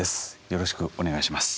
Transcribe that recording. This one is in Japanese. よろしくお願いします。